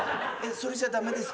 それじゃ駄目ですかね？